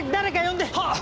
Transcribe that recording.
はっ！